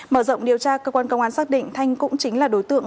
mở rộng điều tra cơ quan công an xác định thanh cũng chính là đối tượng